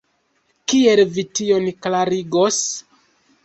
Kiel vi tion klarigos?